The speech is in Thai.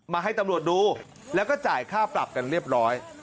ให้ตำรวจดูแล้วก็จ่ายค่าปรับกันเรียบร้อย